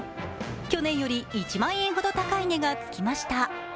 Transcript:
去年より１万円ほど高い値がつきました。